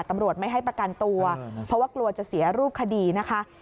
ตำรวจไม่ให้ประกันตัวเพราะว่ากลัวจะเสียรูปคดีนะคะ